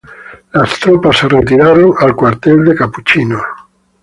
Las tropas se retiraron al cuartel de Capuchinos.